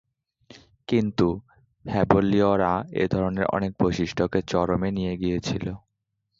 কিন্তু, হেবলীয়রা এই ধরনের অনেক বৈশিষ্ট্যকে চরমে নিয়ে গিয়েছিল।